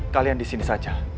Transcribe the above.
kalian disini saja